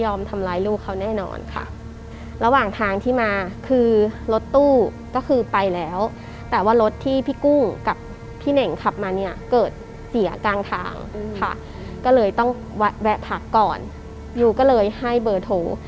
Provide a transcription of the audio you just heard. ทำร้ายลูกเขาแน่นอนค่ะระหว่างทางที่มาคือรถตู้ก็คือไปแล้วแต่ว่ารถที่พี่กุ้งกับพี่เน่งขับมาเนี่ยเกิดเสียกลางทางค่ะก็เลยต้องแวะแวะพักก่อนยูก็เลยให้เบอร์โทร